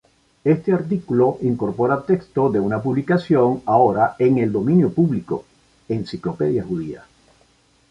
Este artículo incorpora texto de una publicación ahora en el dominio público: "Enciclopedia judía.